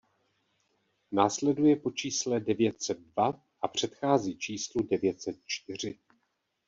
Následuje po čísle devět set dva a předchází číslu devět set čtyři.